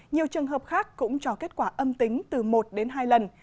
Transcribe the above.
nhiều trường hợp khác cũng cho kết quả âm tính từ một đến hai lần